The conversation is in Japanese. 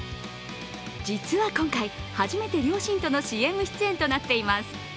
実は今回、初めて両親とのＣＭ出演となっています。